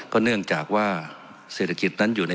เนื่องจากว่าเศรษฐกิจนั้นอยู่ใน